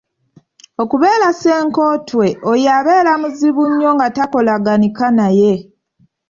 Okubeera Ssenkotwe; oyo abeera muzibu nnyo nga takolaganika naye.